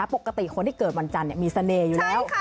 ปกติคนที่เกิดวันจันทร์มีเสน่ห์อยู่แล้ว